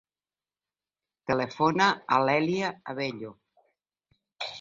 Telefona a l'Èlia Abello.